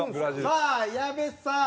さあ矢部さん。